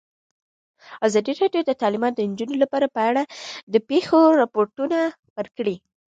ازادي راډیو د تعلیمات د نجونو لپاره په اړه د پېښو رپوټونه ورکړي.